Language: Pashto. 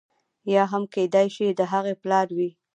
یا هم کېدای شي د هغه پلار وي.